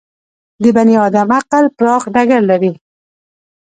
د بني ادم عقل پراخ ډګر لري.